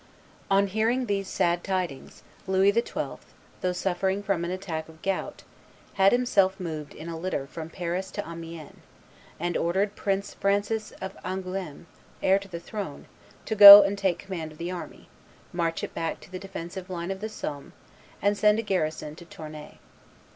On hearing these sad tidings, Louis XII., though suffering from an attack of gout, had himself moved in a litter from Paris to Amiens, and ordered Prince Francis of Angouleme, heir to the throne, to go and take command of the army, march it back to the defensive line of the Somme, and send a garrison to Tournai.